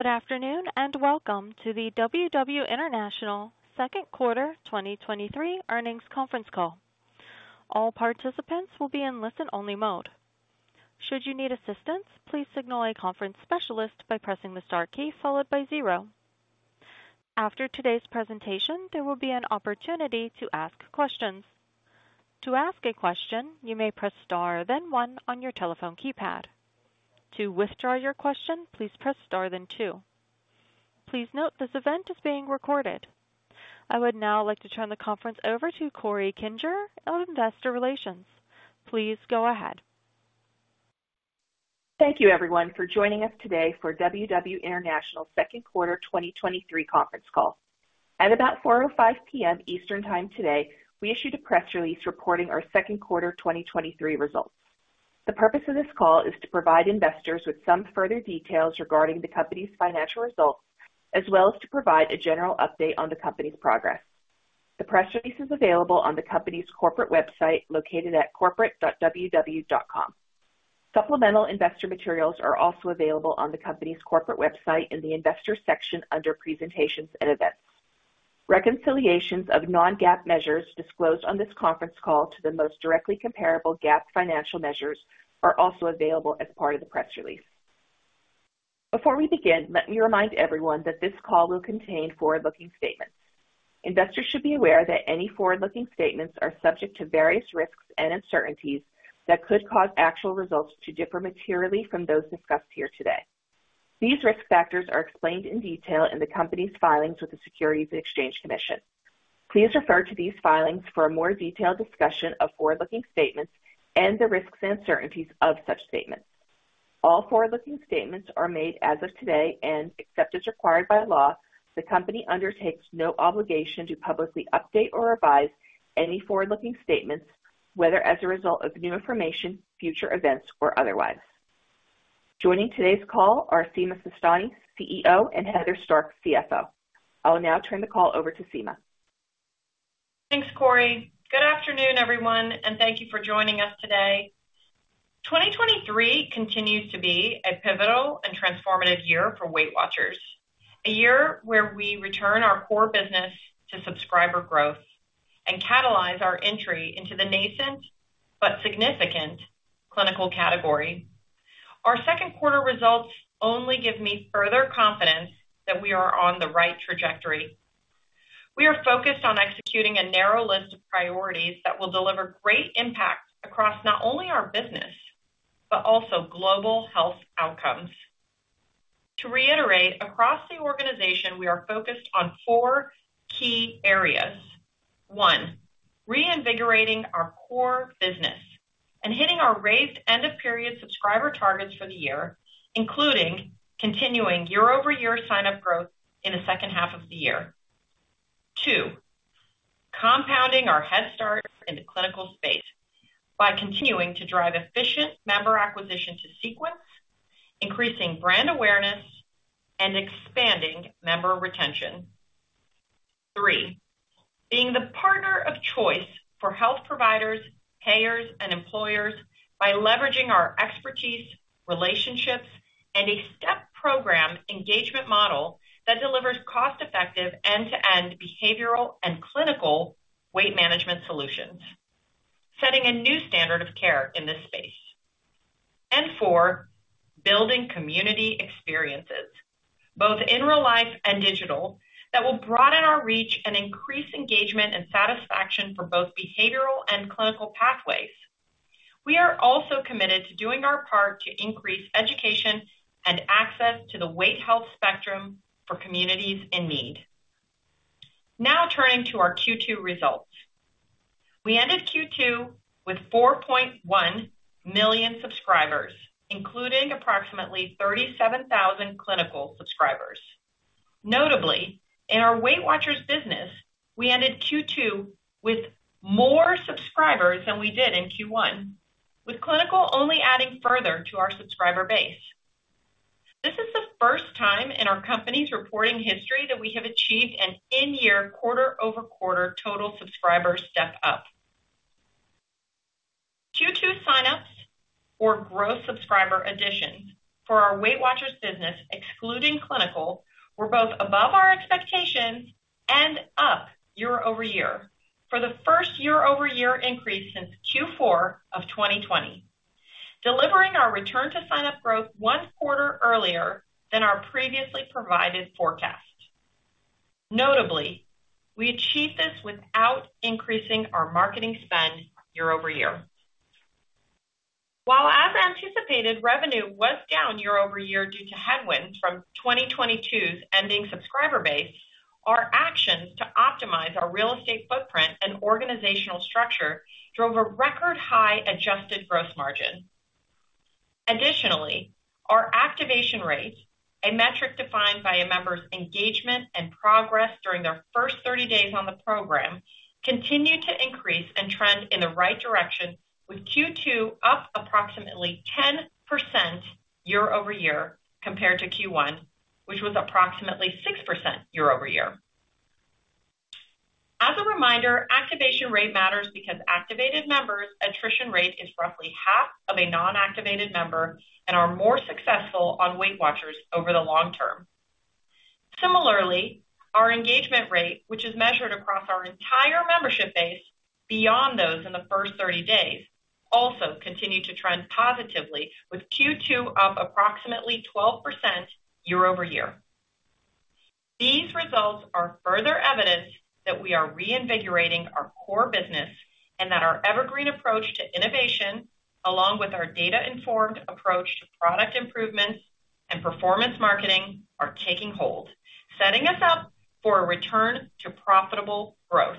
Good afternoon, and welcome to the WW International Second Quarter 2023 Earnings Conference Call. All participants will be in listen-only mode. Should you need assistance, please signal a conference specialist by pressing the star key followed by zero. After today's presentation, there will be an opportunity to ask questions. To ask a question, you may press star, then one on your telephone keypad. To withdraw your question, please press star, then two. Please note, this event is being recorded. I would now like to turn the conference over to Corey Kinger of Investor Relations. Please go ahead. Thank you, everyone, for joining us today for WW International Second Quarter 2023 conference call. At about 4:05 P.M. Eastern Time today, we issued a press release reporting our second quarter 2023 results. The purpose of this call is to provide investors with some further details regarding the company's financial results, as well as to provide a general update on the company's progress. The press release is available on the company's corporate website, located at corporate.ww.com. Supplemental investor materials are also available on the company's corporate website in the investor section under presentations and events. Reconciliations of non-GAAP measures disclosed on this conference call to the most directly comparable GAAP financial measures are also available as part of the press release. Before we begin, let me remind everyone that this call will contain forward-looking statements. Investors should be aware that any forward-looking statements are subject to various risks and uncertainties that could cause actual results to differ materially from those discussed here today. These risk factors are explained in detail in the company's filings with the Securities and Exchange Commission. Please refer to these filings for a more detailed discussion of forward-looking statements and the risks and uncertainties of such statements. All forward-looking statements are made as of today, except as required by law, the company undertakes no obligation to publicly update or revise any forward-looking statements, whether as a result of new information, future events, or otherwise. Joining today's call are Sima Sistani, CEO, and Heather Stark, CFO. I will now turn the call over to Sima. Thanks, Corey. Good afternoon, everyone, thank you for joining us today. 2023 continues to be a pivotal and transformative year for Weight Watchers, a year where we return our core business to subscriber growth and catalyze our entry into the nascent but significant clinical category. Our second quarter results only give me further confidence that we are on the right trajectory. We are focused on executing a narrow list of priorities that will deliver great impact across not only our business, but also global health outcomes. To reiterate, across the organization, we are focused on four key areas. One, reinvigorating our core business and hitting our raised end-of-period subscriber targets for the year, including continuing year-over-year sign-up growth in the second half of the year. Two, compounding our head start into clinical space by continuing to drive efficient member acquisition to Sequence, increasing brand awareness and expanding member retention. Three, being the partner of choice for health providers, payers, and employers by leveraging our expertise, relationships, and a step program engagement model that delivers cost-effective, end-to-end behavioral and clinical weight management solutions, setting a new standard of care in this space. Four, building community experiences, both in real life and digital, that will broaden our reach and increase engagement and satisfaction for both behavioral and clinical pathways. We are also committed to doing our part to increase education and access to the weight health spectrum for communities in need. Now, turning to our Q2 results. We ended Q2 with 4.1 million subscribers, including approximately 37,000 clinical subscribers. Notably, in our Weight Watchers business, we ended Q2 with more subscribers than we did in Q1, with clinical only adding further to our subscriber base. This is the first time in our company's reporting history that we have achieved an in-year, quarter-over-quarter total subscriber step up. Q2 sign-ups or growth subscriber additions for our Weight Watchers business, excluding clinical, were both above our expectations and up year-over-year for the first year-over-year increase since Q4 of 2020, delivering our return to sign-up growth one quarter earlier than our previously provided forecast. Notably, we achieved this without increasing our marketing spend year-over-year. While as anticipated, revenue was down year-over-year due to headwinds from 2022's ending subscriber base, our actions to optimize our real estate footprint and organizational structure drove a record high adjusted gross margin. Our activation rate, a metric defined by a member's engagement and progress during their first 30 days on the program, continued to increase and trend in the right direction, with Q2 up approximately 10% year-over-year compared to Q1, which was approximately 6% year-over-year. Reminder, activation rate matters because activated members' attrition rate is roughly half of a non-activated member and are more successful on Weight Watchers over the long term. Similarly, our engagement rate, which is measured across our entire membership base beyond those in the first 30 days, also continued to trend positively, with Q2 up approximately 12% year-over-year. These results are further evidence that we are reinvigorating our core business, and that our evergreen approach to innovation, along with our data-informed approach to product improvements and performance marketing, are taking hold, setting us up for a return to profitable growth.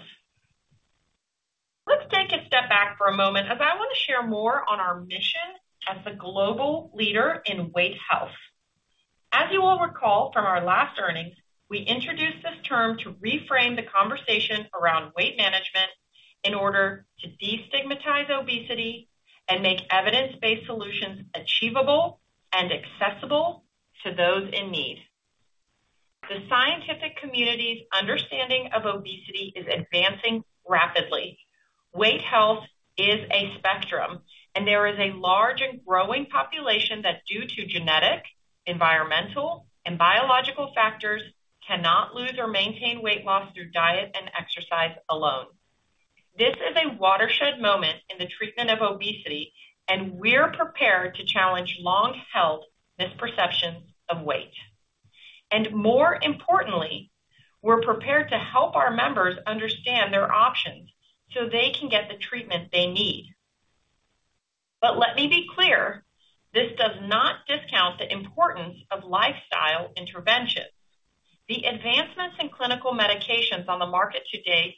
Let's take a step back for a moment, as I want to share more on our mission as the global leader in weight health. As you all recall from our last earnings, we introduced this term to reframe the conversation around weight management in order to destigmatize obesity and make evidence-based solutions achievable and accessible to those in need. The scientific community's understanding of obesity is advancing rapidly. Weight health is a spectrum, and there is a large and growing population that, due to genetic, environmental, and biological factors, cannot lose or maintain weight loss through diet and exercise alone. This is a watershed moment in the treatment of obesity. We're prepared to challenge long-held misperceptions of weight. More importantly, we're prepared to help our members understand their options so they can get the treatment they need. Let me be clear, this does not discount the importance of lifestyle interventions. The advancements in clinical medications on the market to date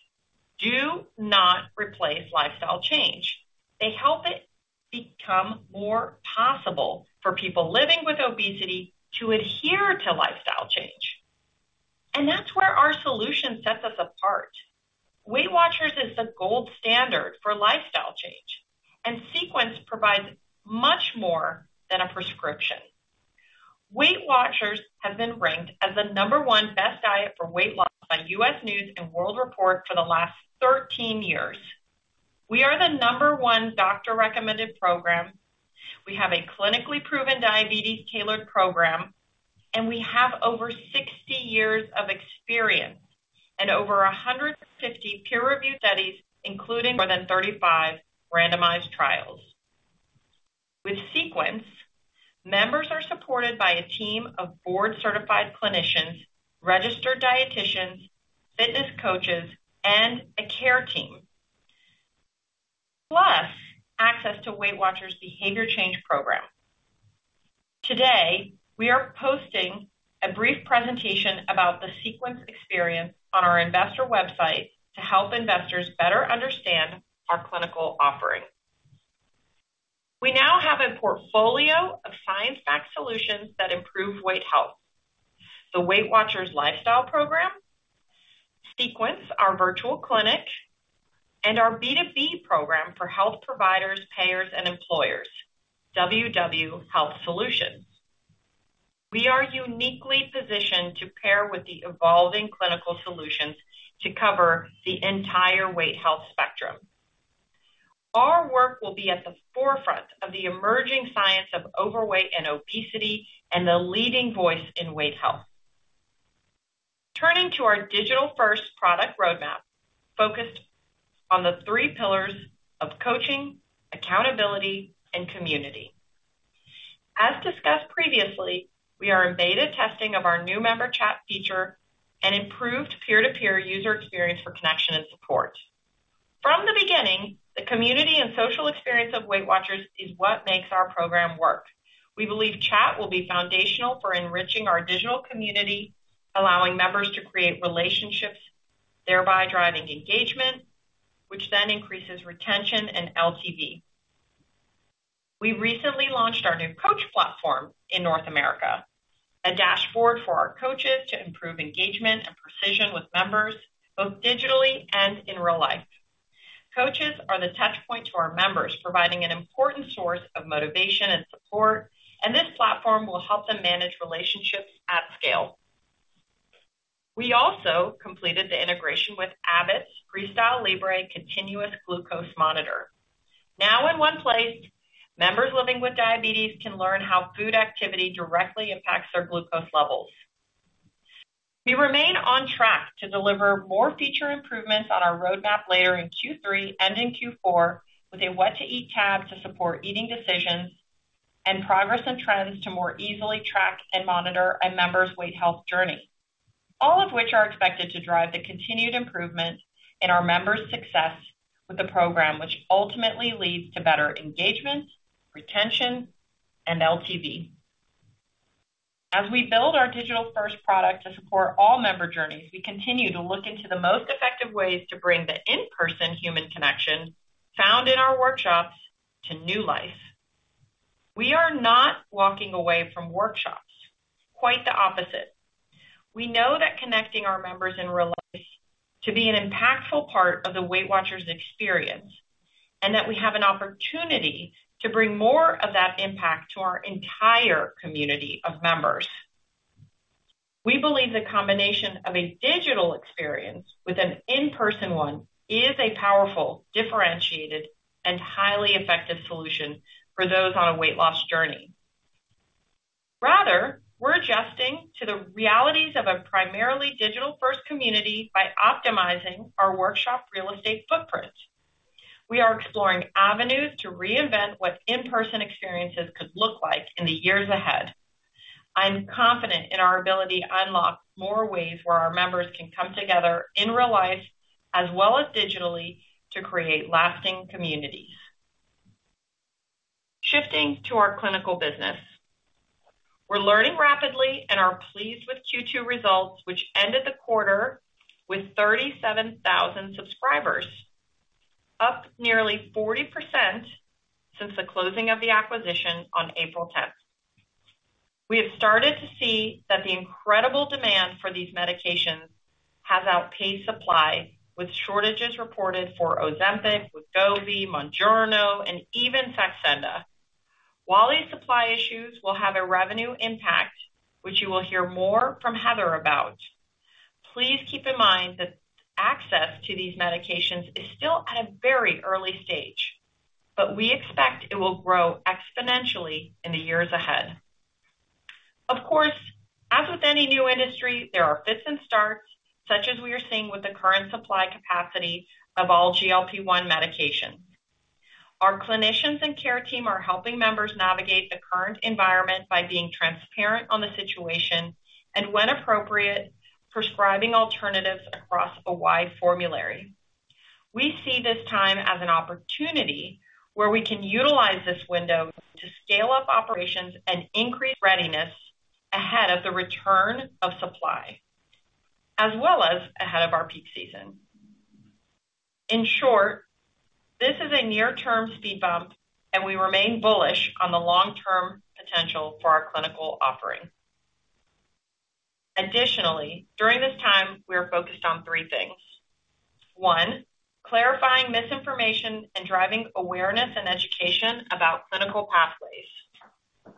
do not replace lifestyle change. They help it become more possible for people living with obesity to adhere to lifestyle change. That's where our solution sets us apart. Weight Watchers is the gold standard for lifestyle change, and Sequence provides much more than a prescription. Weight Watchers has been ranked as the number 1 best diet for weight loss by US News and World Report for the last 13 years. We are the number one doctor-recommended program. We have a clinically proven diabetes tailored program, and we have over 60 years of experience and over 150 peer-reviewed studies, including more than 35 randomized trials. With Sequence, members are supported by a team of board-certified clinicians, registered dietitians, fitness coaches, and a care team, plus access to Weight Watchers' Behavior Change program. Today, we are posting a brief presentation about the Sequence experience on our investor website to help investors better understand our clinical offering. We now have a portfolio of science-backed solutions that improve weight health. The Weight Watchers lifestyle program, Sequence, our virtual clinic, and our B2B program for health providers, payers, and employers, WW Health Solutions. We are uniquely positioned to pair with the evolving clinical solutions to cover the entire weight health spectrum. Our work will be at the forefront of the emerging science of overweight and obesity and the leading voice in weight health. Turning to our digital-first product roadmap, focused on the three pillars of coaching, accountability, and community. As discussed previously, we are in beta testing of our new member chat feature and improved peer-to-peer user experience for connection and support. From the beginning, the community and social experience of Weight Watchers is what makes our program work. We believe chat will be foundational for enriching our digital community, allowing members to create relationships, thereby driving engagement, which then increases retention and LTV. We recently launched our new coach platform in North America, a dashboard for our coaches to improve engagement and precision with members, both digitally and in real life. Coaches are the touchpoint to our members, providing an important source of motivation and support, and this platform will help them manage relationships at scale. We also completed the integration with Abbott's Freestyle Libre continuous glucose monitor. Now in one place, members living with diabetes can learn how food activity directly impacts their glucose levels. We remain on track to deliver more feature improvements on our roadmap later in Q3 and in Q4, with a What to Eat tab to support eating decisions and progress and trends to more easily track and monitor a member's weight health journey. All of which are expected to drive the continued improvement in our members' success with the program, which ultimately leads to better engagement, retention, and LTV. As we build our digital-first product to support all member journeys, we continue to look into the most effective ways to bring the in-person human connection found in our workshops to new life. We are not walking away from workshops. Quite the opposite. We know that connecting our members in real life to be an impactful part of the Weight Watchers experience, and that we have an opportunity to bring more of that impact to our entire community of members.... We believe the combination of a digital experience with an in-person one is a powerful, differentiated, and highly effective solution for those on a weight loss journey. Rather, we're adjusting to the realities of a primarily digital-first community by optimizing our workshop real estate footprint. We are exploring avenues to reinvent what in-person experiences could look like in the years ahead. I'm confident in our ability to unlock more ways where our members can come together in real life as well as digitally, to create lasting communities. Shifting to our clinical business. We're learning rapidly and are pleased with Q2 results, which ended the quarter with 37,000 subscribers, up nearly 40% since the closing of the acquisition on April 10th. We have started to see that the incredible demand for these medications has outpaced supply, with shortages reported for Ozempic, Wegovy, Mounjaro, and even Saxenda. While these supply issues will have a revenue impact, which you will hear more from Heather about, please keep in mind that access to these medications is still at a very early stage, but we expect it will grow exponentially in the years ahead. Of course, as with any new industry, there are fits and starts, such as we are seeing with the current supply capacity of all GLP-1 medications. Our clinicians and care team are helping members navigate the current environment by being transparent on the situation and, when appropriate, prescribing alternatives across a wide formulary. We see this time as an opportunity where we can utilize this window to scale up operations and increase readiness ahead of the return of supply, as well as ahead of our peak season. In short, this is a near-term speed bump, and we remain bullish on the long-term potential for our clinical offering. Additionally, during this time, we are focused on three things. One, clarifying misinformation and driving awareness and education about clinical pathways.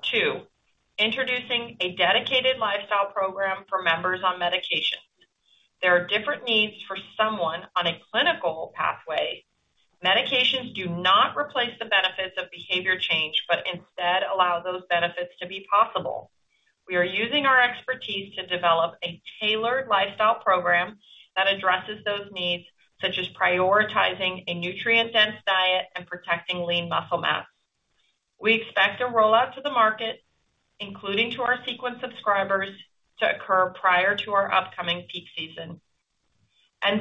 Two, introducing a dedicated lifestyle program for members on medication. There are different needs for someone on a clinical pathway. Medications do not replace the benefits of behavior change, but instead allow those benefits to be possible. We are using our expertise to develop a tailored lifestyle program that addresses those needs, such as prioritizing a nutrient-dense diet and protecting lean muscle mass. We expect a rollout to the market, including to our Sequence subscribers, to occur prior to our upcoming peak season.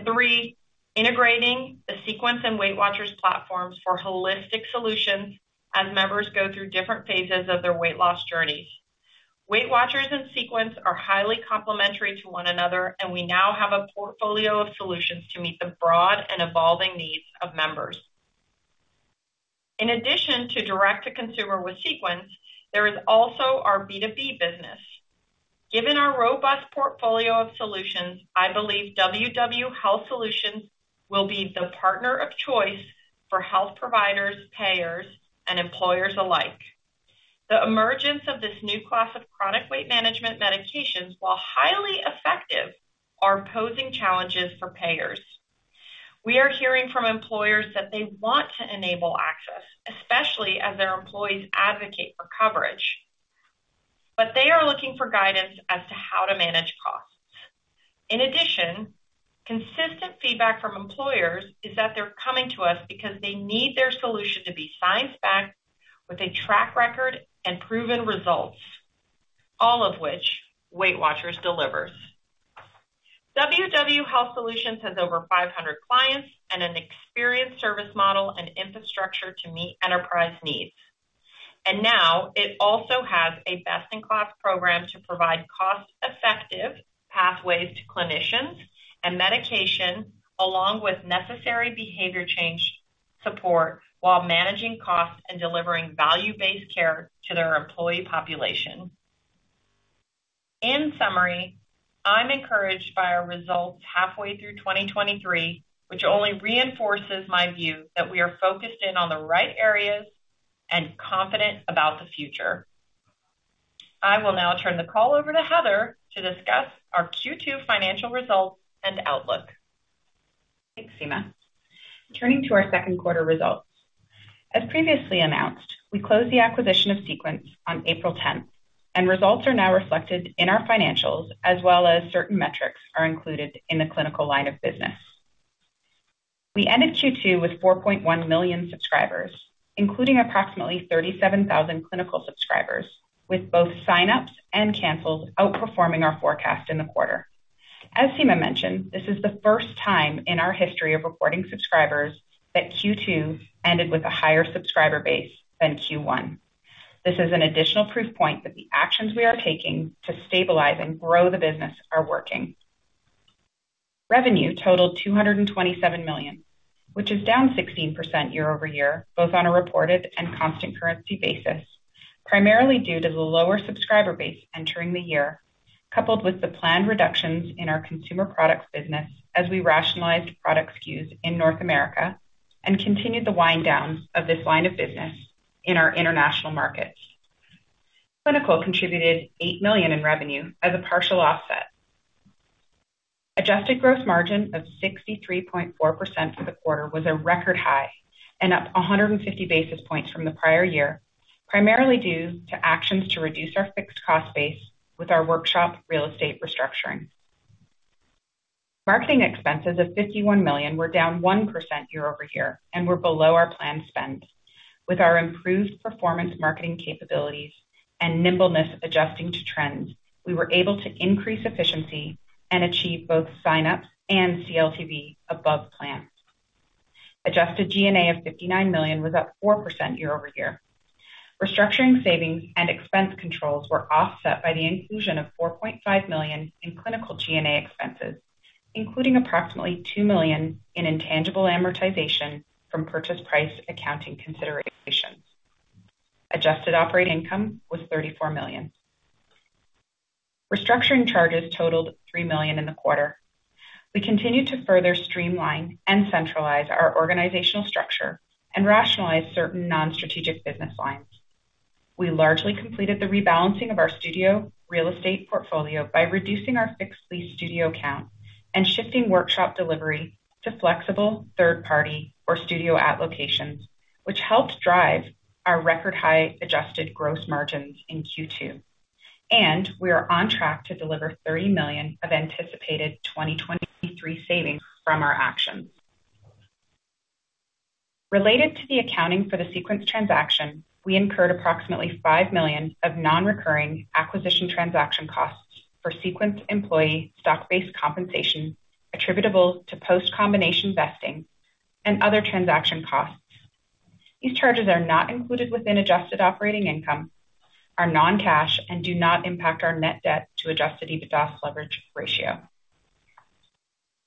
Three, integrating the Sequence and Weight Watchers platforms for holistic solutions as members go through different phases of their weight loss journeys. WW International and Sequence are highly complementary to one another, we now have a portfolio of solutions to meet the broad and evolving needs of members. In addition to direct-to-consumer with Sequence, there is also our B2B business. Given our robust portfolio of solutions, I believe WW Health Solutions will be the partner of choice for health providers, payers, and employers alike. The emergence of this new class of chronic weight management medications, while highly effective, are posing challenges for payers. We are hearing from employers that they want to enable access, especially as their employees advocate for coverage, they are looking for guidance as to how to manage costs. In addition, consistent feedback from employers is that they're coming to us because they need their solution to be science-backed with a track record and proven results, all of which WW International delivers. WW Health Solutions has over 500 clients and an experienced service model and infrastructure to meet enterprise needs. Now it also has a best-in-class program to provide cost-effective pathways to clinicians and medication, along with necessary behavior change support, while managing costs and delivering value-based care to their employee population. In summary, I'm encouraged by our results halfway through 2023, which only reinforces my view that we are focused in on the right areas and confident about the future. I will now turn the call over to Heather to discuss our Q2 financial results and outlook. Thanks, Sima. Turning to our second quarter results. As previously announced, we closed the acquisition of Sequence on April 10th. Results are now reflected in our financials, as well as certain metrics are included in the clinical line of business. We ended Q2 with 4.1 million subscribers, including approximately 37,000 clinical subscribers, with both sign-ups and cancels outperforming our forecast in the quarter. As Sima mentioned, this is the first time in our history of reporting subscribers that Q2 ended with a higher subscriber base than Q1. This is an additional proof point that the actions we are taking to stabilize and grow the business are working. Revenue totaled $227 million, which is down 16% year-over-year, both on a reported and constant currency basis, primarily due to the lower subscriber base entering the year, coupled with the planned reductions in our consumer products business as we rationalized product SKUs in North America and continued the wind down of this line of business in our international markets. Clinical contributed $8 million in revenue as a partial offset. Adjusted gross margin of 63.4% for the quarter was a record high and up 150 basis points from the prior year, primarily due to actions to reduce our fixed cost base with our workshop real estate restructuring. Marketing expenses of $51 million were down 1% year-over-year and were below our planned spend. With our improved performance marketing capabilities and nimbleness adjusting to trends, we were able to increase efficiency and achieve both sign-ups and CLTV above plan. Adjusted G&A of $59 million was up 4% year-over-year. Restructuring savings and expense controls were offset by the inclusion of $4.5 million in clinical GNA expenses, including approximately $2 million in intangible amortization from purchase price accounting considerations. Adjusted operating income was $34 million. Restructuring charges totaled $3 million in the quarter. We continued to further streamline and centralize our organizational structure and rationalize certain non-strategic business lines. We largely completed the rebalancing of our studio real estate portfolio by reducing our fixed lease studio count and shifting workshop delivery to flexible third party or studio ad locations, which helped drive our record-high adjusted gross margins in Q2. We are on track to deliver $30 million of anticipated 2023 savings from our actions. Related to the accounting for the Sequence transaction, we incurred approximately $5 million of non-recurring acquisition transaction costs for Sequence employee stock-based compensation attributable to post-combination vesting and other transaction costs. These charges are not included within adjusted operating income, are non-cash, and do not impact our net debt to adjusted EBITDA leverage ratio.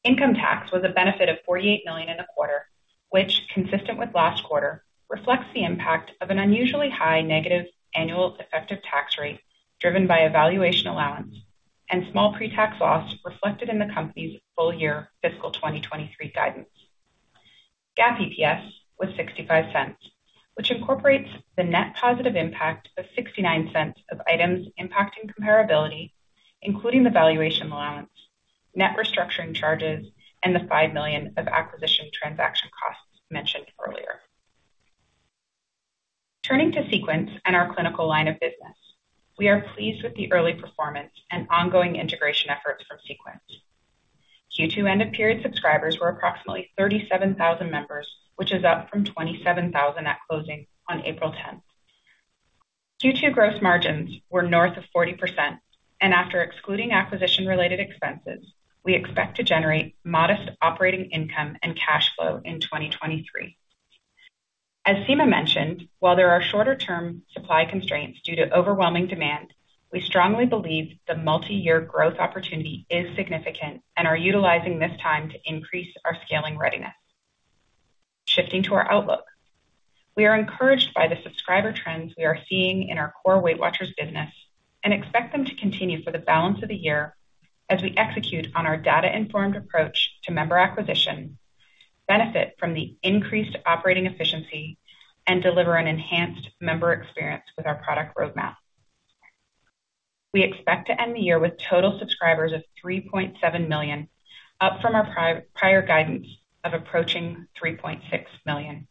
Income tax was a benefit of $48 million in the quarter, which, consistent with last quarter, reflects the impact of an unusually high negative annual effective tax rate, driven by a valuation allowance and small pre-tax loss reflected in the company's full year fiscal 2023 guidance. GAAP EPS was $0.65, which incorporates the net positive impact of $0.69 of items impacting comparability, including the valuation allowance, net restructuring charges, and the $5 million of acquisition transaction costs mentioned earlier. Turning to Sequence and our clinical line of business, we are pleased with the early performance and ongoing integration efforts from Sequence. Q2 end-of-period subscribers were approximately 37,000 members, which is up from 27,000 at closing on April 10th. Q2 gross margins were north of 40%, and after excluding acquisition-related expenses, we expect to generate modest operating income and cash flow in 2023. As Sima mentioned, while there are shorter-term supply constraints due to overwhelming demand, we strongly believe the multiyear growth opportunity is significant and are utilizing this time to increase our scaling readiness. Shifting to our outlook. We are encouraged by the subscriber trends we are seeing in our core Weight Watchers business and expect them to continue for the balance of the year as we execute on our data-informed approach to member acquisition, benefit from the increased operating efficiency, and deliver an enhanced member experience with our product roadmap. We expect to end the year with total subscribers of 3.7 million, up from our prior guidance of approaching 3.6 million.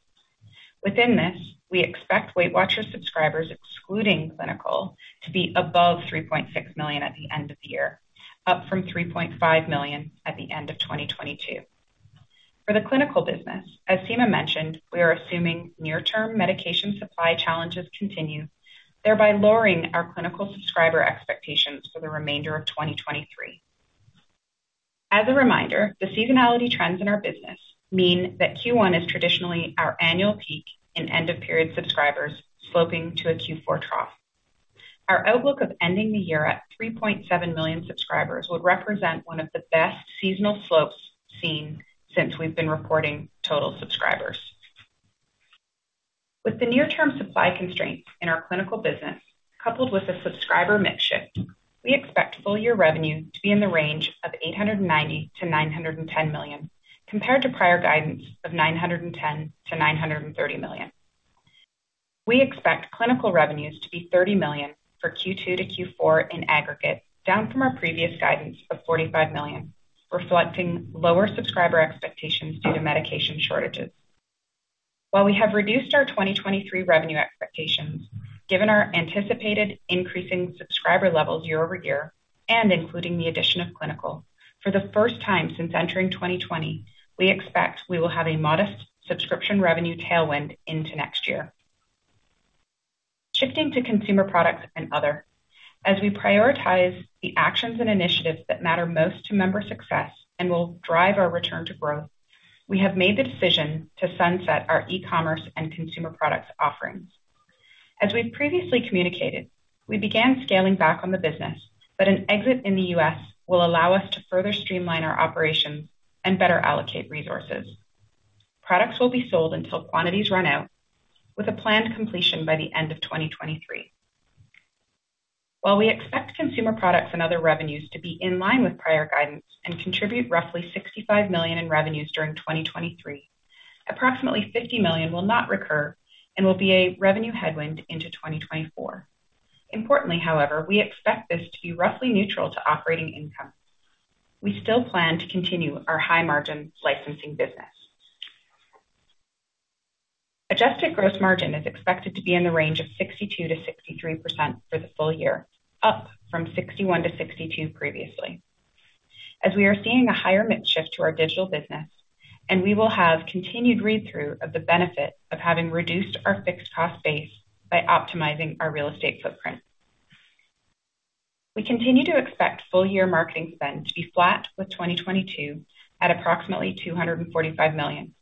Within this, we expect Weight Watchers subscribers, excluding clinical, to be above 3.6 million at the end of the year, up from 3.5 million at the end of 2022. For the clinical business, as Sima mentioned, we are assuming near-term medication supply challenges continue, thereby lowering our clinical subscriber expectations for the remainder of 2023. As a reminder, the seasonality trends in our business mean that Q1 is traditionally our annual peak in end-of-period subscribers, sloping to a Q4 trough. Our outlook of ending the year at 3.7 million subscribers would represent one of the best seasonal slopes seen since we've been reporting total subscribers. With the near-term supply constraints in our clinical business, coupled with the subscriber mix shift, we expect full year revenue to be in the range of $890 million-$910 million, compared to prior guidance of $910 million-$930 million. We expect clinical revenues to be $30 million for Q2 to Q4 in aggregate, down from our previous guidance of $45 million, reflecting lower subscriber expectations due to medication shortages. While we have reduced our 2023 revenue expectations, given our anticipated increasing subscriber levels year-over-year, and including the addition of clinical, for the first time since entering 2020, we expect we will have a modest subscription revenue tailwind into next year. Shifting to consumer products and other. As we prioritize the actions and initiatives that matter most to member success and will drive our return to growth, we have made the decision to sunset our e-commerce and consumer products offerings. As we've previously communicated, we began scaling back on the business, but an exit in the U.S. will allow us to further streamline our operations and better allocate resources. Products will be sold until quantities run out with a planned completion by the end of 2023. While we expect consumer products and other revenues to be in line with prior guidance and contribute roughly $65 million in revenues during 2023, approximately $50 million will not recur and will be a revenue headwind into 2024. Importantly, however, we expect this to be roughly neutral to operating income. We still plan to continue our high-margin licensing business. Adjusted gross margin is expected to be in the range of 62%-63% for the full year, up from 61%-62% previously. As we are seeing a higher mix shift to our digital business, and we will have continued read-through of the benefit of having reduced our fixed cost base by optimizing our real estate footprint. We continue to expect full-year marketing spend to be flat with 2022 at approximately $245 million.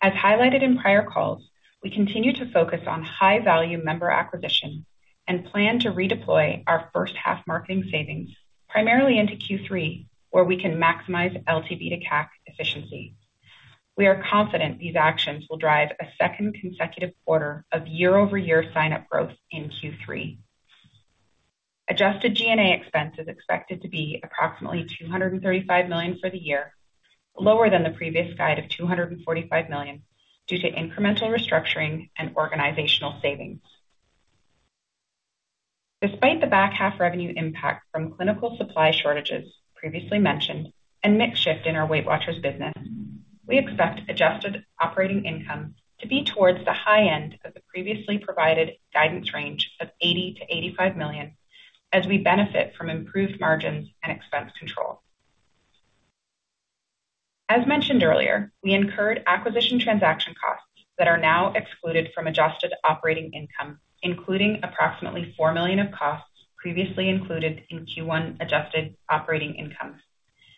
As highlighted in prior calls, we continue to focus on high-value member acquisition and plan to redeploy our first half marketing savings, primarily into Q3, where we can maximize LTV to CAC efficiency. We are confident these actions will drive a second consecutive quarter of year-over-year sign-up growth in Q3. Adjusted G&A expense is expected to be approximately $235 million for the year, lower than the previous guide of $245 million due to incremental restructuring and organizational savings. Despite the back half revenue impact from clinical supply shortages previously mentioned and mix shift in our Weight Watchers business, we expect adjusted operating income to be towards the high end of the previously provided guidance range of $80 million-$85 million as we benefit from improved margins and expense control. As mentioned earlier, we incurred acquisition transaction costs that are now excluded from adjusted operating income, including approximately $4 million of costs previously included in Q1 adjusted operating income.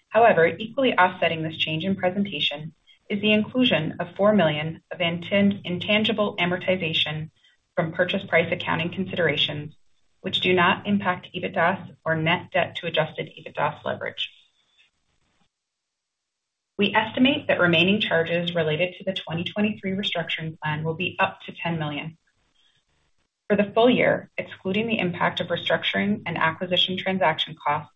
However, equally offsetting this change in presentation is the inclusion of $4 million of intangible amortization from purchase price accounting considerations, which do not impact EBITDA or net debt to adjusted EBITDA leverage. We estimate that remaining charges related to the 2023 restructuring plan will be up to $10 million. For the full year, excluding the impact of restructuring and acquisition transaction costs,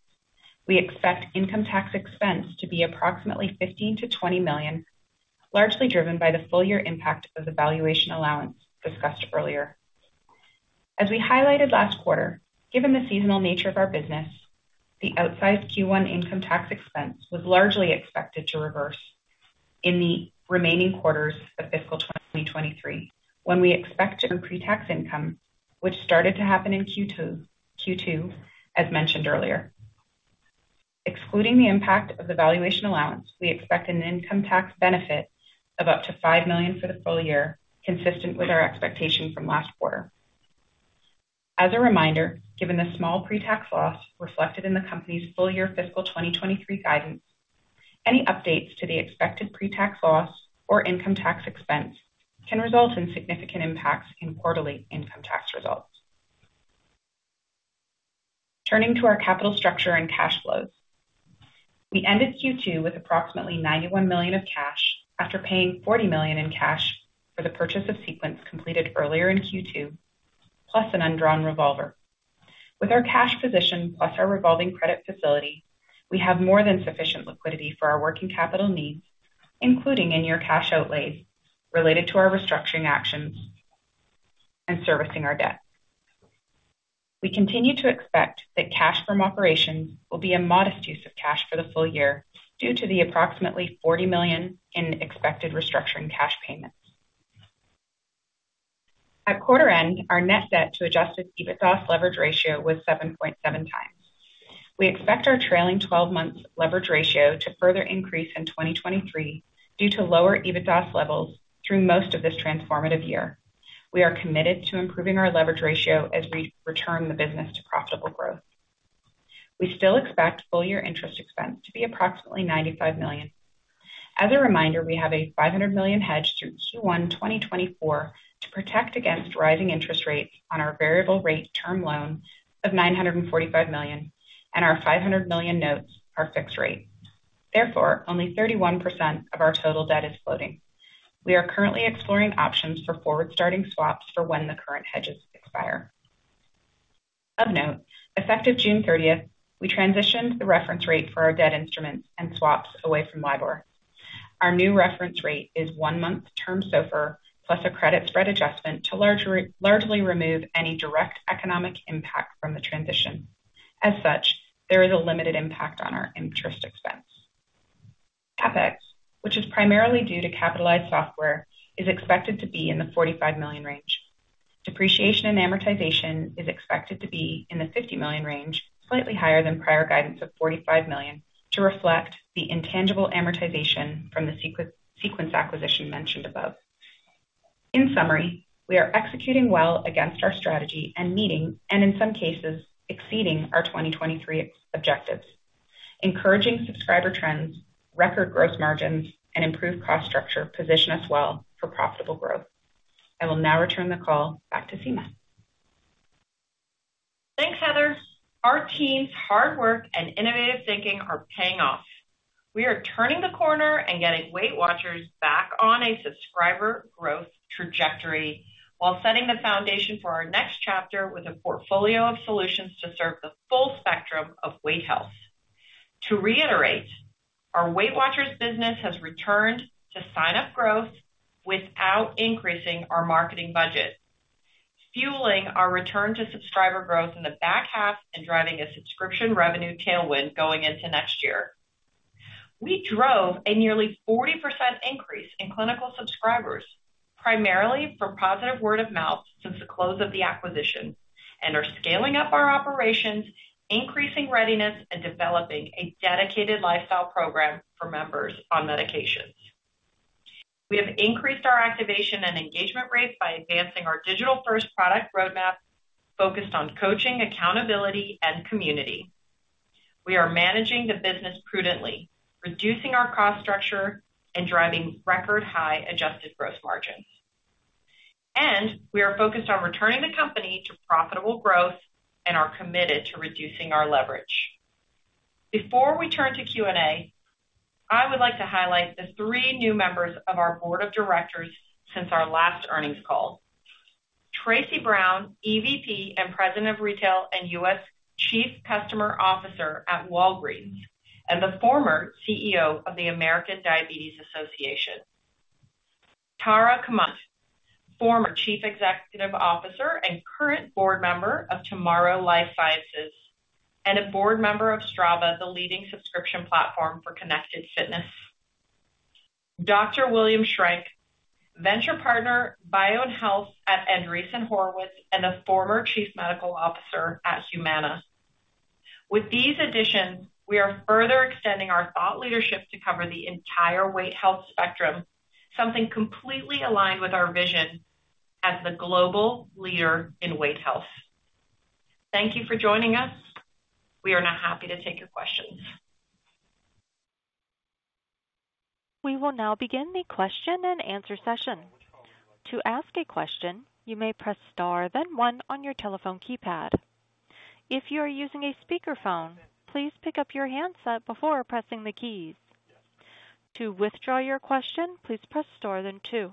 we expect income tax expense to be approximately $15 million-$20 million, largely driven by the full year impact of the valuation allowance discussed earlier. As we highlighted last quarter, given the seasonal nature of our business, the outsized Q1 income tax expense was largely expected to reverse in the remaining quarters of fiscal 2023, when we expect pre-tax income, which started to happen in Q2, Q2, as mentioned earlier. Excluding the impact of the valuation allowance, we expect an income tax benefit of up to $5 million for the full year, consistent with our expectation from last quarter. As a reminder, given the small pre-tax loss reflected in the company's full-year fiscal 2023 guidance, any updates to the expected pre-tax loss or income tax expense can result in significant impacts in quarterly income tax results. Turning to our capital structure and cash flows. We ended Q2 with approximately $91 million of cash after paying $40 million in cash for the purchase of Sequence completed earlier in Q2, plus an undrawn revolver. With our cash position, plus our revolving credit facility, we have more than sufficient liquidity for our working capital needs, including in your cash outlays related to our restructuring actions and servicing our debt. We continue to expect that cash from operations will be a modest use of cash for the full year due to the approximately $40 million in expected restructuring cash payments. At quarter end, our net debt to adjusted EBITDA leverage ratio was 7.7 times. We expect our trailing 12 months leverage ratio to further increase in 2023 due to lower EBITDA levels through most of this transformative year. We are committed to improving our leverage ratio as we return the business to profitable growth. We still expect full-year interest expense to be approximately $95 million. As a reminder, we have a $500 million hedge through Q1 2024 to protect against rising interest rates on our variable rate term loan of $945 million, and our $500 million notes are fixed rate. Therefore, only 31% of our total debt is floating. We are currently exploring options for forward-starting swaps for when the current hedges expire. Of note, effective June 30th, we transitioned the reference rate for our debt instruments and swaps away from LIBOR. Our new reference rate is one-month term SOFR, plus a credit spread adjustment to largely remove any direct economic impact from the transition. As such, there is a limited impact on our interest expense. CapEx, which is primarily due to capitalized software, is expected to be in the $45 million range. Depreciation and amortization is expected to be in the $50 million range, slightly higher than prior guidance of $45 million, to reflect the intangible amortization from the Sequence, Sequence acquisition mentioned above. In summary, we are executing well against our strategy and meeting, and in some cases, exceeding our 2023 objectives. Encouraging subscriber trends, record gross margins, and improved cost structure position us well for profitable growth. I will now return the call back to Sima. Thanks, Heather! Our team's hard work and innovative thinking are paying off. We are turning the corner and getting Weight Watchers back on a subscriber growth trajectory, while setting the foundation for our next chapter with a portfolio of solutions to serve the full spectrum of weight health. To reiterate, our Weight Watchers business has returned to sign-up growth without increasing our marketing budget, fueling our return to subscriber growth in the back half and driving a subscription revenue tailwind going into next year. We drove a nearly 40% increase in clinical subscribers, primarily from positive word of mouth since the close of the acquisition, and are scaling up our operations, increasing readiness, and developing a dedicated lifestyle program for members on medications. We have increased our activation and engagement rates by advancing our digital-first product roadmap, focused on coaching, accountability, and community. We are managing the business prudently, reducing our cost structure, and driving record-high adjusted gross margins. We are focused on returning the company to profitable growth and are committed to reducing our leverage. Before we turn to Q&A, I would like to highlight the three new members of our board of directors since our last earnings call. Tracy Brown, EVP and President of Retail and U.S. Chief Customer Officer at Walgreens, and the former CEO of the American Diabetes Association. Tara Camonte, former Chief Executive Officer and current board member of Tomorrow Life Sciences, and a board member of Strava, the leading subscription platform for connected fitness. Dr. William Shrank, Venture Partner, Bio and Health at Andreessen Horowitz, and a former Chief Medical Officer at Humana. With these additions, we are further extending our thought leadership to cover the entire weight health spectrum, something completely aligned with our vision as the global leader in weight health. Thank you for joining us. We are now happy to take your questions. We will now begin the question-and-answer session. To ask a question, you may press star, then one on your telephone keypad. If you are using a speakerphone, please pick up your handset before pressing the keys. To withdraw your question, please press star, then two.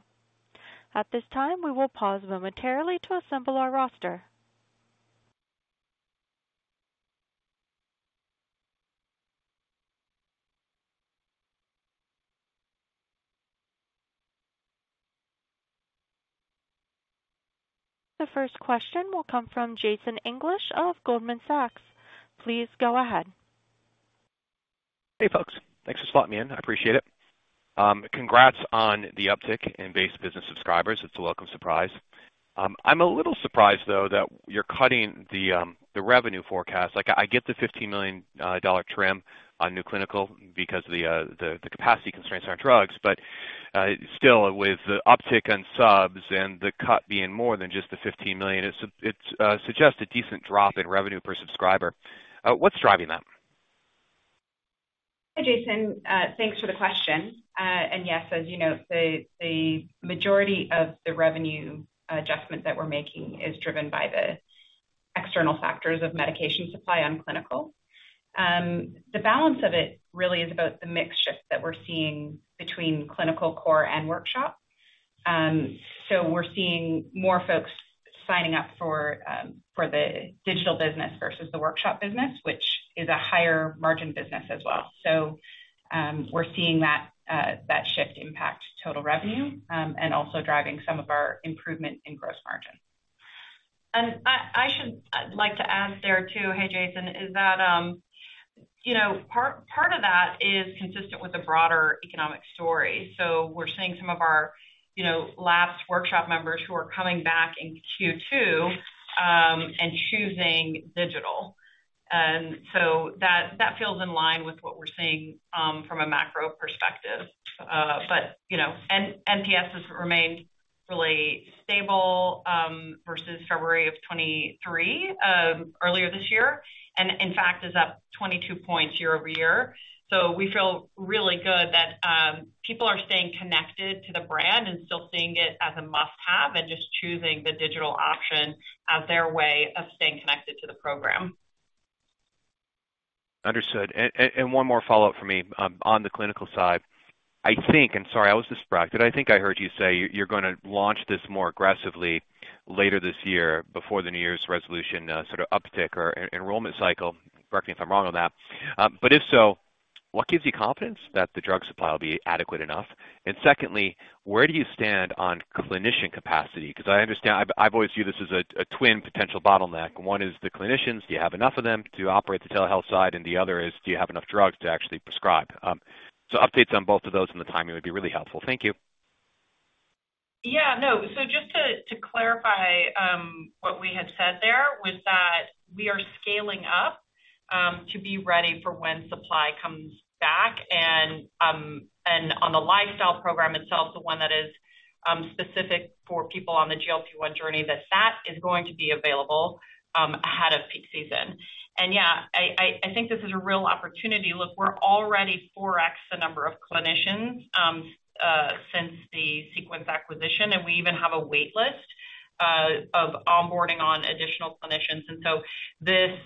At this time, we will pause momentarily to assemble our roster. The first question will come from Jason English of Goldman Sachs. Please go ahead. Hey, folks. Thanks for slotting me in. I appreciate it. Congrats on the uptick in base business subscribers. It's a welcome surprise. I'm a little surprised, though, that you're cutting the revenue forecast. Like, I get the $15 million dollar trim on new clinical because of the capacity constraints on drugs. Still, with the uptick on subs and the cut being more than just the $15 million, it suggests a decent drop in revenue per subscriber. What's driving that? Hey, Jason, thanks for the question. Yes, as you note, the majority of the revenue adjustment that we're making is driven by the external factors of medication supply on clinical. The balance of it really is about the mix shift that we're seeing between clinical core and workshop. We're seeing more folks signing up for the digital business versus the workshop business, which is a higher margin business as well. We're seeing that that shift impact total revenue and also driving some of our improvement in gross margin. I, I should like to add there, too, hey, Jason, is that, you know, part, part of that is consistent with the broader economic story. We're seeing some of our, you know, lapsed workshop members who are coming back in Q2, and choosing digital. That, that feels in line with what we're seeing from a macro perspective. You know, NPS has remained really stable versus February of 2023 earlier this year, and in fact, is up 22 points year-over-year. We feel really good that people are staying connected to the brand and still seeing it as a must-have and just choosing the digital option as their way of staying connected to the program. Understood. One more follow-up for me on the clinical side. I think, and sorry, I was distracted. I think I heard you say you're gonna launch this more aggressively later this year before the New Year's resolution sort of uptick or enrollment cycle. Correct me if I'm wrong on that. If so, what gives you confidence that the drug supply will be adequate enough? Secondly, where do you stand on clinician capacity? Because I understand, I've always viewed this as a twin potential bottleneck. One is the clinicians. Do you have enough of them to operate the telehealth side? The other is, do you have enough drugs to actually prescribe? Updates on both of those and the timing would be really helpful. Thank you. Yeah, no. So just to, to clarify, what we had said there was that we are scaling up, to be ready for when supply comes back. On the lifestyle program itself, the one that is specific for people on the GLP-1 journey, that that is going to be available, ahead of peak season. Yeah, I, I, I think this is a real opportunity. Look, we're already 4x the number of clinicians, since the Sequence acquisition, and we even have a wait list, of onboarding on additional clinicians. So this,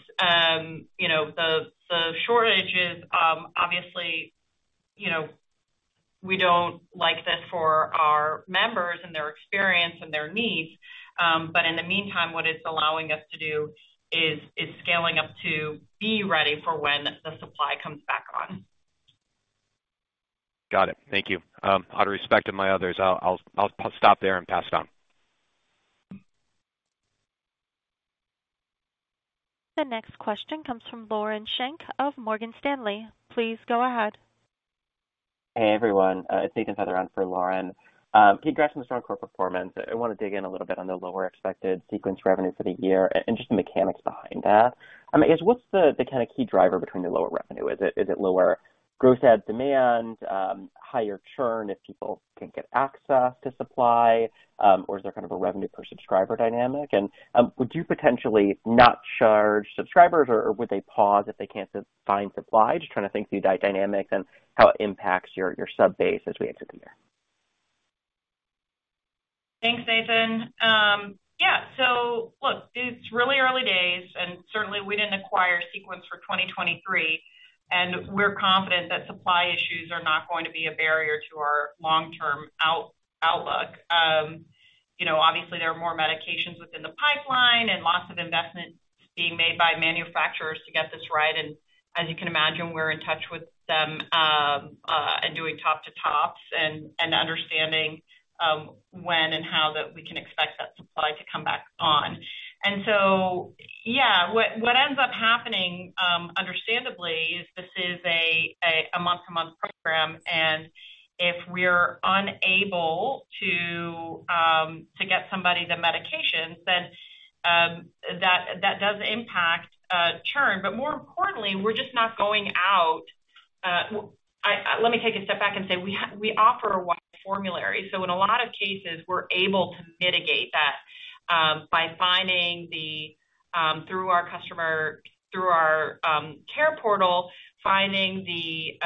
you know, the shortages, obviously, you know, we don't like this for our members and their experience and their needs, but in the meantime, what it's allowing us to do is, is scaling up to be ready for when the supply comes back on. Got it. Thank you. Out of respect to my others, I'll stop there and pass it on. The next question comes from Lauren Schenk of Morgan Stanley. Please go ahead. Hey, everyone, it's Nathan Feather for Lauren. Congrats on the strong core performance. I want to dig in a little bit on the lower expected Sequence revenue for the year and just the mechanics behind that. I mean, what's the, the kind of key driver between the lower revenue? Is it, is it lower gross ad demand, higher churn if people can't get access to supply? Is there kind of a revenue per subscriber dynamic? Would you potentially not charge subscribers, or would they pause if they can't find supply? Just trying to think through that dynamic and how it impacts your, your sub base as we exit the year. Thanks, Nathan. It's really early days. Certainly we didn't acquire Sequence for 2023, and we're confident that supply issues are not going to be a barrier to our long-term outlook. You know, obviously there are more medications within the pipeline and lots of investments being made by manufacturers to get this right. As you can imagine, we're in touch with them, and doing top to tops and understanding when and how that we can expect that supply to come back on. Understandably, is this is a month-to-month program, and if we're unable to get somebody the medications, then that does impact churn. More importantly, we're just not going out. Let me take a step back and say, we offer one formulary. In a lot of cases, we're able to mitigate that by finding the through our customer through our care portal, finding the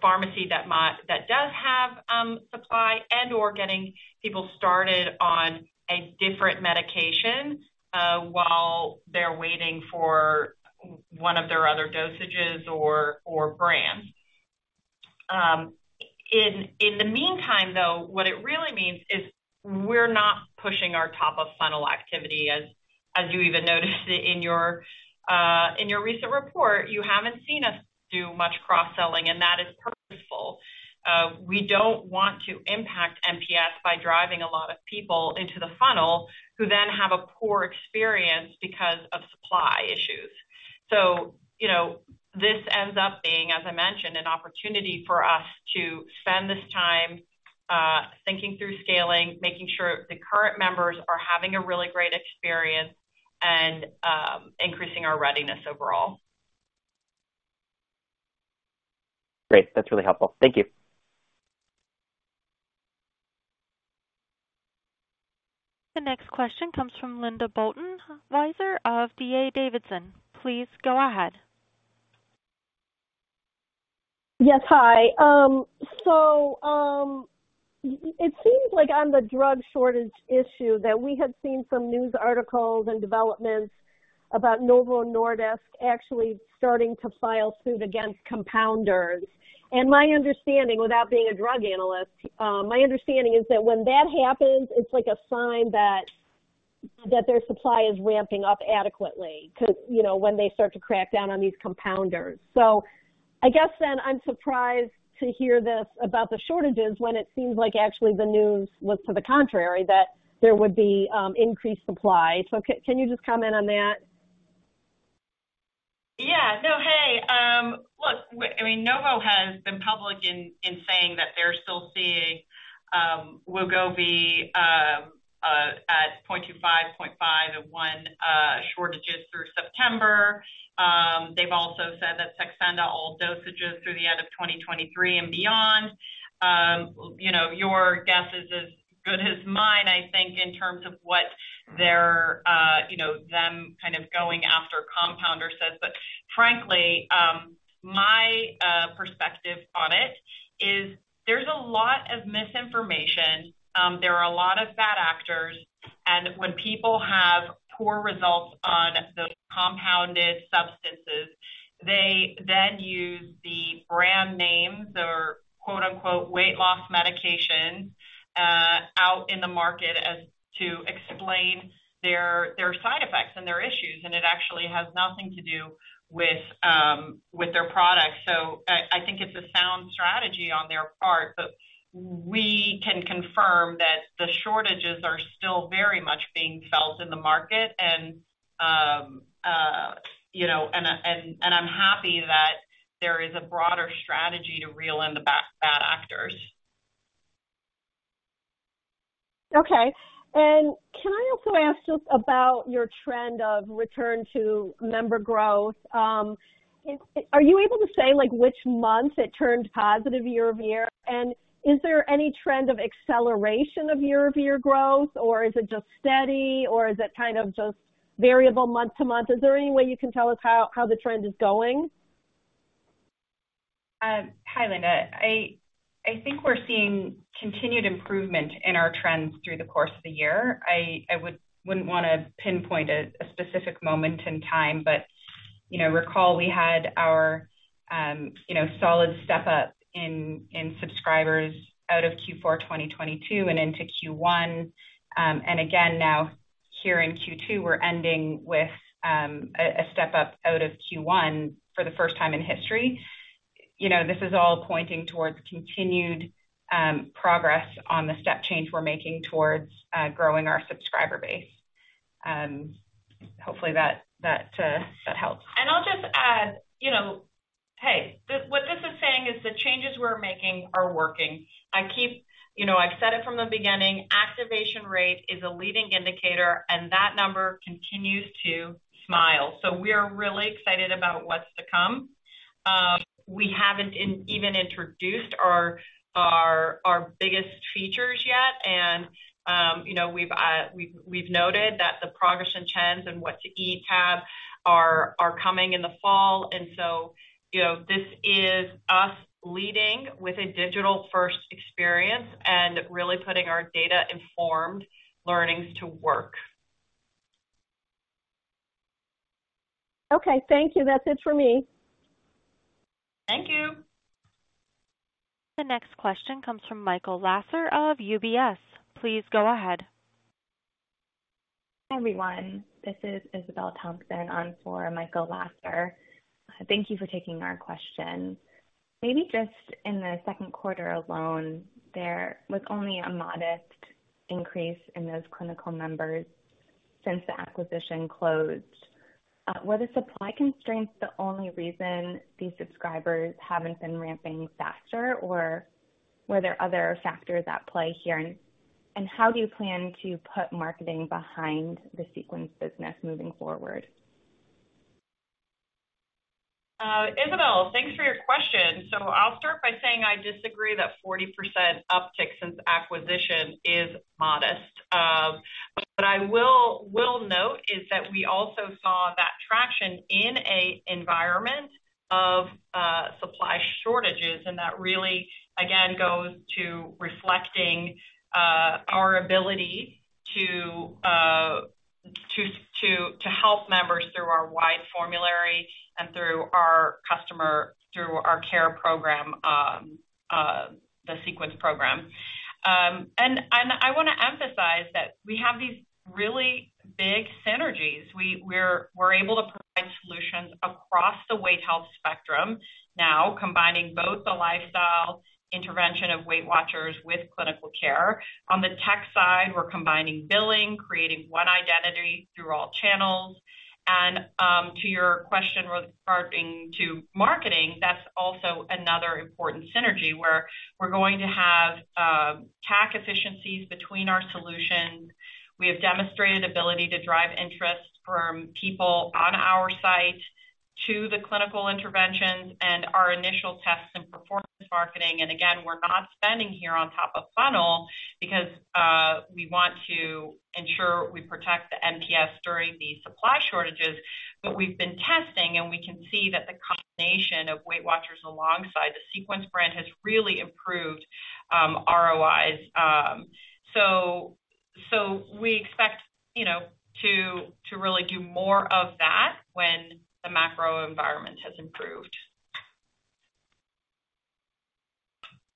pharmacy that might, that does have supply and/or getting people started on a different medication while they're waiting for one of their other dosages or, or brands. In the meantime, though, what it really means is we're not pushing our top-of-funnel activity. As you even noticed in your recent report, you haven't seen us do much cross-selling, that is purposeful. We don't want to impact NPS by driving a lot of people into the funnel, who then have a poor experience because of supply issues. You know, this ends up being, as I mentioned, an opportunity for us to spend this time, thinking through scaling, making sure the current members are having a really great experience, and increasing our readiness overall. Great. That's really helpful. Thank you. The next question comes from Linda Bolton Weiser of DA Davidson. Please go ahead. Yes, hi. So, it seems like on the drug shortage issue that we have seen some news articles and developments about Novo Nordisk actually starting to file suit against compounders. My understanding, without being a drug analyst, my understanding is that when that happens, it's like a sign that, that their supply is ramping up adequately, because, you know, when they start to crack down on these compounders. I guess then I'm surprised to hear this about the shortages when it seems like actually the news was to the contrary, that there would be increased supply. Can you just comment on that? Yeah. No, hey, look, I mean, Novo has been public in, in saying that they're still seeing Wegovy at 0.25, 0.5, and one shortages through September. They've also said that Saxenda all dosages through the end of 2023 and beyond. You know, your guess is as good as mine, I think, in terms of what their, you know, them kind of going after compounder says. Frankly, my perspective on it is there's a lot of misinformation, there are a lot of bad actors, and when people have poor results on those compounded substances, they then use the brand names or quote-unquote, weight loss medications out in the market as to explain their, their side effects and their issues, and it actually has nothing to do with their products. I, I think it's a sound strategy on their part, but we can confirm that the shortages are still very much being felt in the market. You know, and, and, and I'm happy that there is a broader strategy to reel in the bad actors. Okay. Can I also ask just about your trend of return to member growth? Are you able to say, like, which month it turned positive year-over-year? Is there any trend of acceleration of year-over-year growth, or is it just steady, or is it kind of just variable month-to-month? Is there any way you can tell us how, how the trend is going? Hi, Linda... I think we're seeing continued improvement in our trends through the course of the year. I wouldn't want to pinpoint a specific moment in time, but, you know, recall we had our, you know, solid step up in subscribers out of Q4 2022 and into Q1. Again, now here in Q2, we're ending with a step up out of Q1 for the first time in history. You know, this is all pointing towards continued progress on the step change we're making towards growing our subscriber base. Hopefully that, that helps. I'll just add, you know, hey, this what this is saying is the changes we're making are working. I keep, you know, I've said it from the beginning: activation rate is a leading indicator, and that number continues to smile. We are really excited about what's to come. We haven't even introduced our biggest features yet. You know, we've noted that the progress and trends and what to eat tab are coming in the fall. You know, this is us leading with a digital-first experience and really putting our data-informed learnings to work. Okay, thank you. That's it for me. Thank you. The next question comes from Michael Lasser of UBS. Please go ahead. Hi, everyone. This is Isabelle Thompson on for Michael Lasser. Thank you for taking our question. Maybe just in the second quarter alone, there was only a modest increase in those clinical members since the acquisition closed. Were the supply constraints the only reason these subscribers haven't been ramping faster, or were there other factors at play here? How do you plan to put marketing behind the Sequence business moving forward? Isabelle, thanks for your question. I'll start by saying I disagree that 40% uptick since acquisition is modest. I will note is that we also saw that traction in a environment of supply shortages, and that really, again, goes to reflecting our ability to help members through our wide formulary and through our customer, through our care program, the Sequence program. I want to emphasize that we have these really big synergies. We're able to provide solutions across the weight health spectrum now, combining both the lifestyle intervention of Weight Watchers with clinical care. On the tech side, we're combining billing, creating one identity through all channels. To your question regarding to marketing, that's also another important synergy where we're going to have CAC efficiencies between our solutions. We have demonstrated ability to drive interest from people on our site to the clinical interventions and our initial tests and performance marketing. Again, we're not spending here on top of funnel because we want to ensure we protect the NPS during these supply shortages. We've been testing, and we can see that the combination of Weight Watchers alongside the Sequence brand has really improved ROIs. So we expect, you know, to, to really do more of that when the macro environment has improved.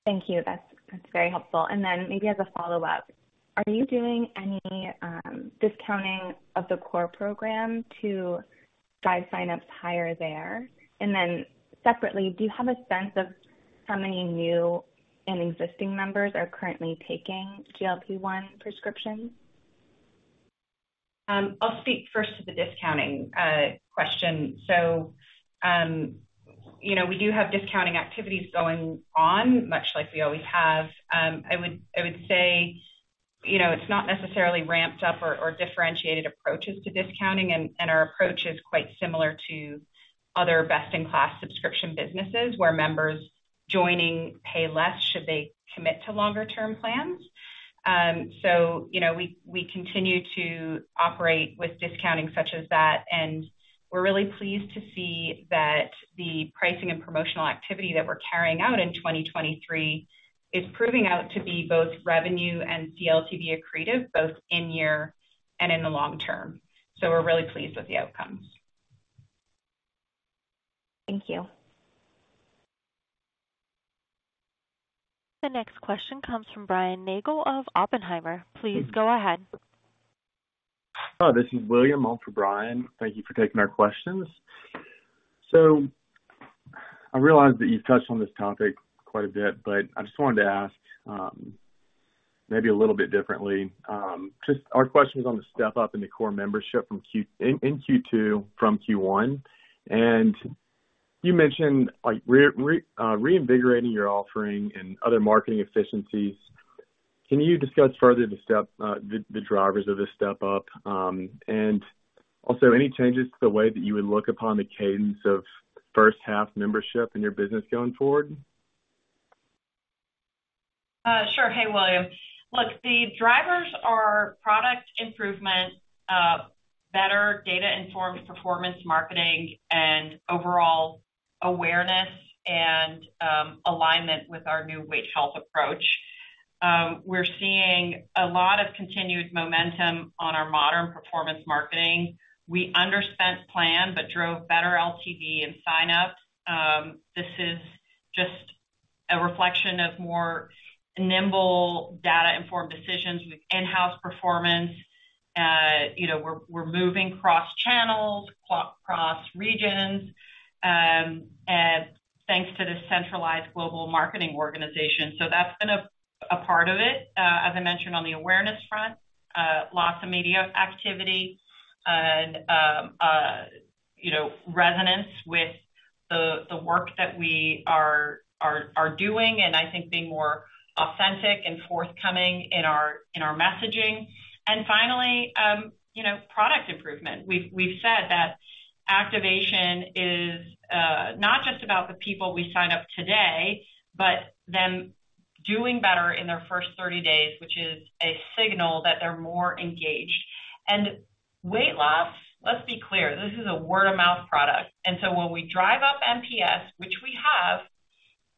Thank you. That's, that's very helpful. Maybe as a follow-up, are you doing any discounting of the core program to drive signups higher there? Separately, do you have a sense of how many new and existing members are currently taking GLP-1 prescriptions? I'll speak first to the discounting question. You know, we do have discounting activities going on, much like we always have. I would, I would say, you know, it's not necessarily ramped up or differentiated approaches to discounting, and our approach is quite similar to other best-in-class subscription businesses, where members joining pay less should they commit to longer-term plans. You know, we, we continue to operate with discounting such as that, and we're really pleased to see that the pricing and promotional activity that we're carrying out in 2023 is proving out to be both revenue and CLTV accretive, both in year and in the long term. We're really pleased with the outcomes. Thank you. The next question comes from Brian Nagel of Oppenheimer. Please go ahead. Hi, this is William on for Brian. Thank Thank you for taking our questions. I realize that you've touched on this topic quite a bit, but I just wanted to ask, maybe a little bit differently. Just our questions on the step up in the core membership in Q2 from Q1, and you mentioned, like, re, re, reinvigorating your offering and other marketing efficiencies. Can you discuss further the step, the drivers of this step up? Also, any changes to the way that you would look upon the cadence of first half membership in your business going forward? Sure. Hey, William. Look, the drivers are product improvement, better data-informed performance marketing, and overall awareness and alignment with our new weight health approach. We're seeing a lot of continued momentum on our modern performance marketing. We underspent plan, but drove better LTV and sign-ups. This is just a reflection of more nimble data-informed decisions with in-house performance. You know, we're, we're moving cross-channels, cross-regions, and thanks to this centralized global marketing organization. That's been a, a part of it. As I mentioned on the awareness front, lots of media activity and, you know, resonance with the, the work that we are, are, are doing, and I think being more authentic and forthcoming in our, in our messaging. Finally, you know, product improvement. We've, we've said that activation is not just about the people we sign up today, but them doing better in their 1st 30 days, which is a signal that they're more engaged. Weight loss, let's be clear, this is a word-of-mouth product. When we drive up NPS, which we have,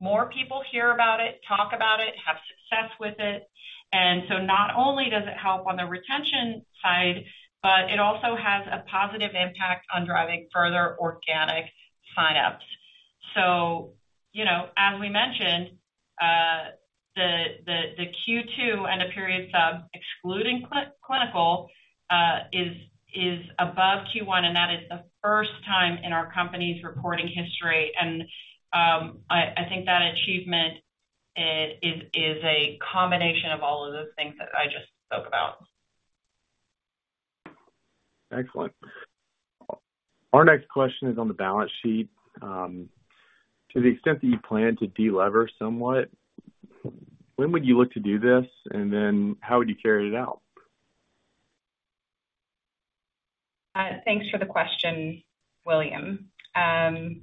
more people hear about it, talk about it, have success with it. Not only does it help on the retention side, but it also has a positive impact on driving further organic sign-ups. You know, as we mentioned, the Q2 and the period sub excluding clinical is above Q1, that is the 1st time in our company's reporting history. I think that achievement is a combination of all of the things that I just spoke about. Excellent. Our next question is on the balance sheet. To the extent that you plan to delever somewhat, when would you look to do this, and then how would you carry it out? Thanks for the question, William. I,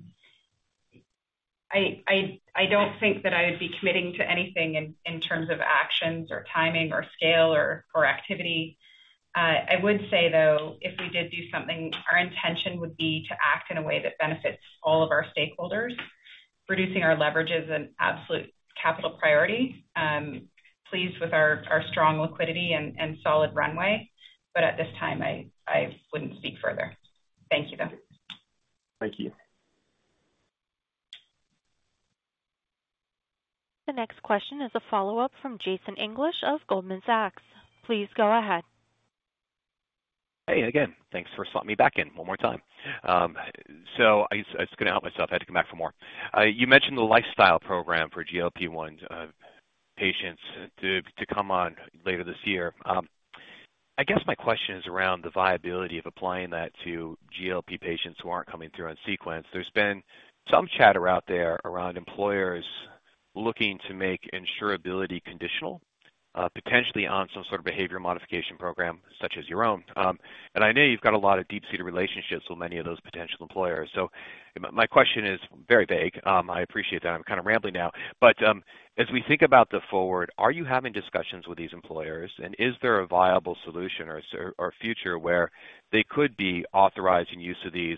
I, I don't think that I would be committing to anything in, in terms of actions or timing or scale or, or activity. I would say, though, if we did do something, our intention would be to act in a way that benefits all of our stakeholders. Reducing our leverage is an absolute capital priority. Pleased with our, our strong liquidity and, and solid runway, but at this time, I, I wouldn't speak further. Thank you, though. Thank you. The next question is a follow-up from Jason English of Goldman Sachs. Please go ahead. Hey again. Thanks for slotting me back in one more time. I, I just couldn't help myself. I had to come back for more. You mentioned the lifestyle program for GLP-1 patients to come on later this year. I guess my question is around the viability of applying that to GLP patients who aren't coming through on Sequence. There's been some chatter out there around employers looking to make insurability conditional, potentially on some sort of behavior modification program such as your own. I know you've got a lot of deep-seated relationships with many of those potential employers. My question is very vague. I appreciate that I'm kind of rambling now, as we think about the forward, are you having discussions with these employers? Is there a viable solution or, or future where they could be authorizing use of these,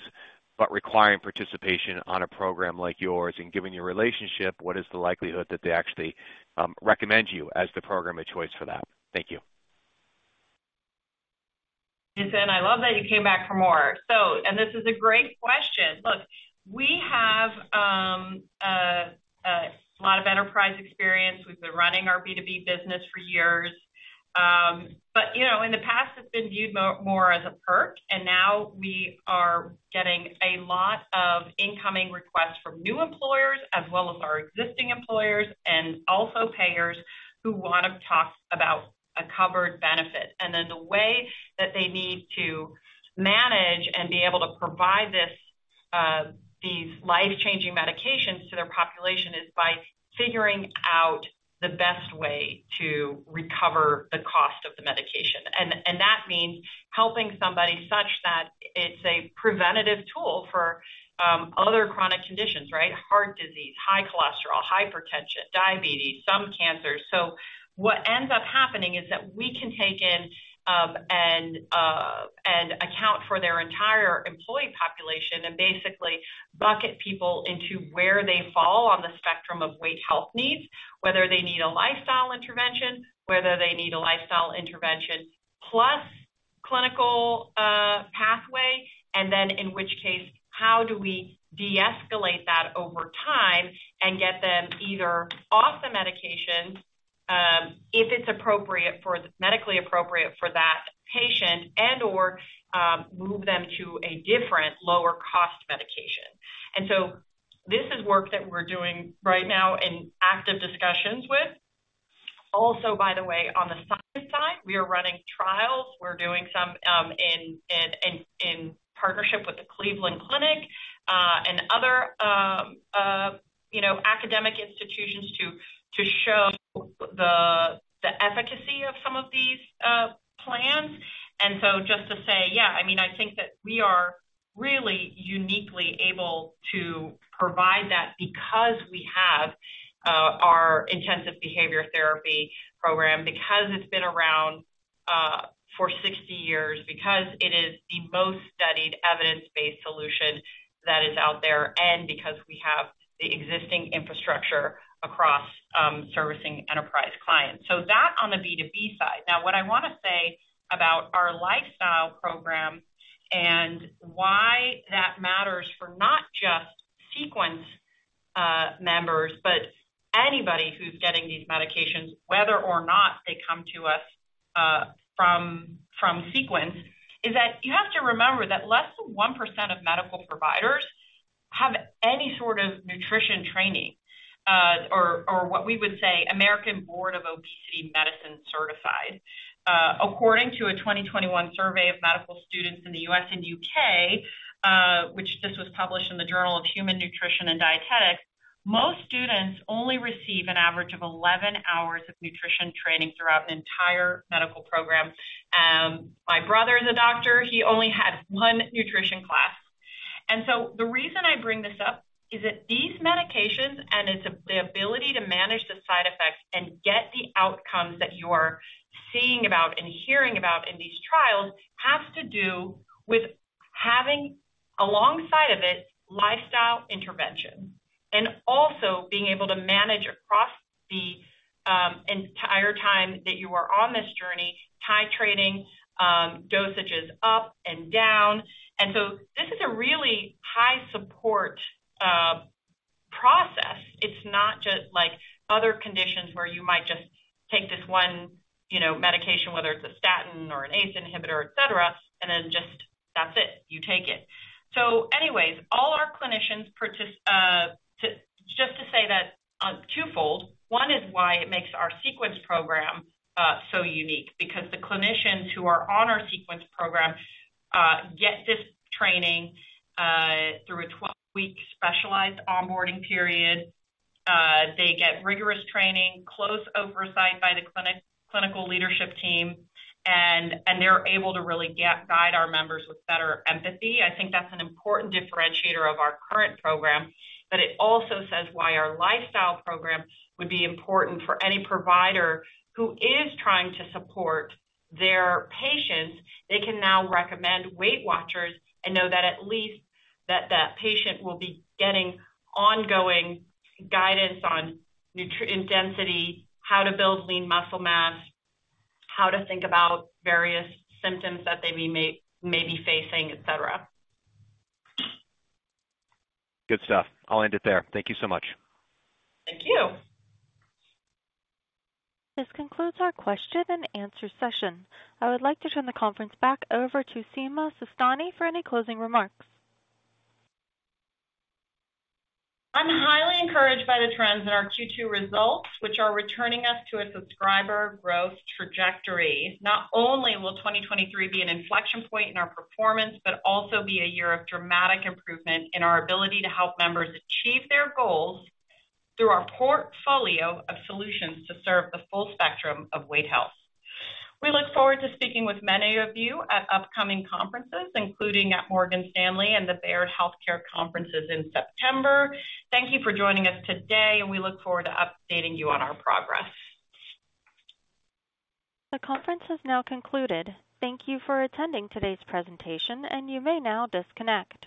but requiring participation on a program like yours and given your relationship, what is the likelihood that they actually recommend you as the program of choice for that? Thank you. Jason, I love that you came back for more. This is a great question. Look, we have a lot of enterprise experience. We've been running our B2B business for years. You know, in the past, it's been viewed more, more as a perk, and now we are getting a lot of incoming requests from new employers as well as our existing employers and also payers who want to talk about a covered benefit. The way that they need to manage and be able to provide this, these life-changing medications to their population is by figuring out the best way to recover the cost of the medication. That means helping somebody such that it's a preventative tool for other chronic conditions, right? Heart disease, high cholesterol, hypertension, diabetes, some cancers. What ends up happening is that we can take in and account for their entire employee population and basically bucket people into where they fall on the spectrum of weight health needs. Whether they need a lifestyle intervention, whether they need a lifestyle intervention plus clinical pathway, and then in which case, how do we de-escalate that over time and get them either off the medication, if it's medically appropriate for that patient, and/or, move them to a different lower cost medication. This is work that we're doing right now in active discussions with. Also, by the way, on the science side, we are running trials. We're doing some in partnership with the Cleveland Clinic and other, you know, academic institutions to show. we are really uniquely able to provide that because we have our intensive behavior therapy program, because it's been around for 60 years, because it is the most studied evidence-based solution that is out there, and because we have the existing infrastructure across servicing enterprise clients. That on the B2B side. Now, what I want to say about our lifestyle program and why that matters for not just Sequence members, but anybody who's getting these medications, whether or not they come to us from, from Sequence, is that you have to remember that less than 1% of medical providers have any sort of nutrition training, or, or what we would say, American Board of Obesity Medicine certified. According to a 2021 survey of medical students in the US and UK, which this was published in the Journal of Human Nutrition and Dietetics, most students only receive an average of 11 hours of nutrition training throughout an entire medical program. My brother is a doctor. He only had one nutrition class. The reason I bring this up is that these medications and it's the ability to manage the side effects and get the outcomes that you are seeing about and hearing about in these trials, has to do with having, alongside of it, lifestyle intervention, and also being able to manage across the entire time that you are on this journey, titrating dosages up and down. This is a really high support process. It's not just like other conditions where you might just take this one, you know, medication, whether it's a statin or an ACE inhibitor, et cetera, and then just that's it, you take it. Anyways, all our clinicians particip--, just to say that on twofold. One is why it makes our Sequence program, so unique, because the clinicians who are on our Sequence program, get this training, through a 12-week specialized onboarding period. They get rigorous training, close oversight by the clinical leadership team, and they're able to really get guide our members with better empathy. I think that's an important differentiator of our current program. It also says why our lifestyle program would be important for any provider who is trying to support their patients. They can now recommend Weight Watchers and know that at least that patient will be getting ongoing guidance on intensity, how to build lean muscle mass, how to think about various symptoms that they may be facing, et cetera. Good stuff. I'll end it there. Thank you so much. Thank you. This concludes our question and answer session. I would like to turn the conference back over to Sima Sistani for any closing remarks. I'm highly encouraged by the trends in our Q2 results, which are returning us to a subscriber growth trajectory. Not only will 2023 be an inflection point in our performance, but also be a year of dramatic improvement in our ability to help members achieve their goals through our portfolio of solutions to serve the full spectrum of weight health. We look forward to speaking with many of you at upcoming conferences, including at Morgan Stanley and the Baird Health Care Conferences in September. Thank you for joining us today, and we look forward to updating you on our progress. The conference has now concluded. Thank you for attending today's presentation. You may now disconnect.